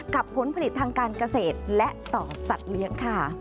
ผลผลิตทางการเกษตรและต่อสัตว์เลี้ยงค่ะ